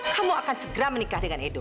kamu akan segera menikah dengan edo